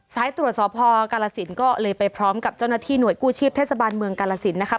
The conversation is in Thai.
สายตรวจสอบพอกาลสินก็เลยไปพร้อมกับเจ้าหน้าที่หน่วยกู้ชีพเทศบาลเมืองกาลสินนะครับ